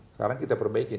sekarang kita perbaikin